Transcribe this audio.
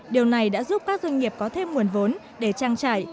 điều này đã giúp các doanh nghiệp có thêm nguồn vốn để trang trải